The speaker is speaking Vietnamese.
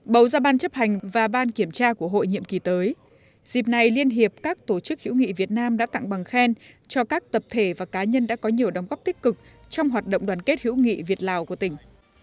bầu ra ban chấp hành và ban kiểm tra của hội nhiệm kỳ tới dịp này liên hiệp các tổ chức hữu nghị việt nam đã tặng bằng khen cho các tập thể và cá nhân đã có nhiều đóng góp tích cực trong hoạt động đoàn kết hữu nghị việt lào của tỉnh